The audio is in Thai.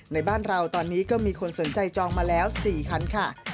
ในบ้านเราตอนนี้ก็มีคนสนใจจองมาแล้ว๔คันค่ะ